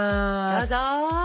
どうぞ！